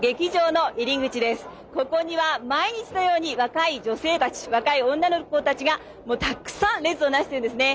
ここには毎日のように若い女性たち若い女の子たちがもうたくさん列をなしてるんですね。